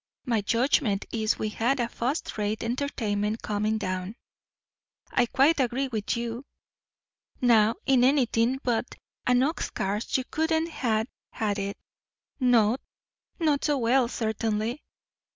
"My judgment is we had a fust rate entertainment, comin' down." "I quite agree with you." "Now in anythin' but an ox cart, you couldn't ha' had it." "No, not so well, certainly."